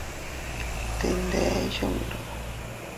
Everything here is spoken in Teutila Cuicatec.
Dinde yundu.